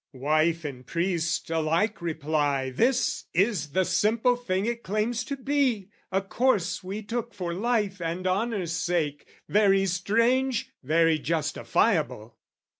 Wife and priest alike reply "This is the simple thing it claims to be, "A course we took for life and honour's sake, "Very strange, very justifiable."